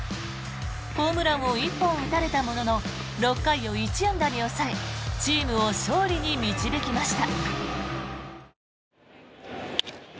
ホームランを１本打たれたものの６回を１安打に抑えチームを勝利に導きました。